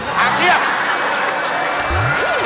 ทางเรียบ